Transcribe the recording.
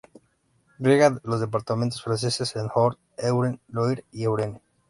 Riega los departamentos franceses de Orne, Eure y Loir, y Eure.